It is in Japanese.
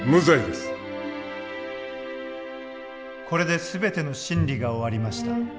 これで全ての審理が終わりました。